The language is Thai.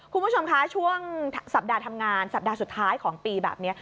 คุณผู้ชมคะช่วงสัปดาห์ทำงานสัปดาห์สุดท้ายของปีแบบนี้